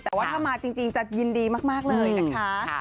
แต่ว่าถ้ามาจริงจะยินดีมากเลยนะคะ